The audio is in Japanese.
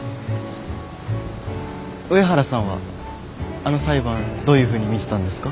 上原さんはあの裁判どういうふうに見てたんですか？